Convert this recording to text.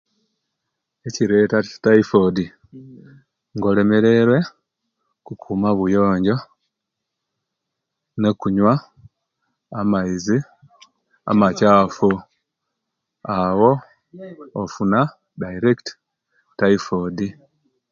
Ekireta tifodi nga olemereruwe okuma obuyonjo nokunywa amaizi amakyafu awo ofuna direct typhoid